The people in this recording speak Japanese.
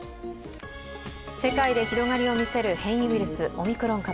世界で広がりを見せる変異ウイルス、オミクロン株。